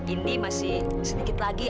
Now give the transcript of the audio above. indi masih sedikit lagi